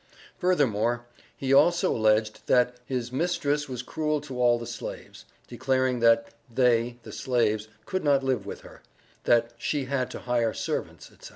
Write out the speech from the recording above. Furthermore, he also alleged, that his "mistress was cruel to all the slaves," declaring that "they (the slaves), could not live with her," that "she had to hire servants," etc.